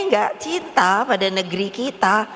nggak cinta pada negeri kita